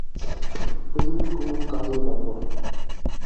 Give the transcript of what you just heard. পৃথিবীর কোনো কাজেই লাগব না?